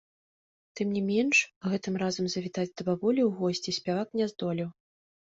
Тым не менш, гэтым разам завітаць да бабулі ў госці спявак не здолеў.